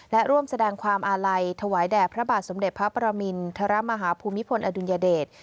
และร่วมแสดงความอาลัยถวายแด่พระบาทสมเด็จพระประมินทรมาฮาภูมิพลอดุลยเดช